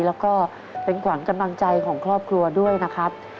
แล้วก็เป็นขวัญกำลังใจของครอบครัวด้วยนะครับ